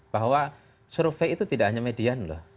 bahwa survei itu tidak hanya median loh